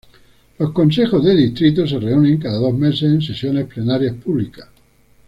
Los Consejos de Distrito se reúnen, cada dos meses, en sesiones plenarias públicas.